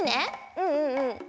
うんうんうん。